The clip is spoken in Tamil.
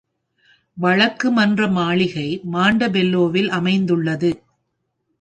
வழக்குமன்றமாளிகை மான்டபெல்லோவில் அமைந்துள்ளது.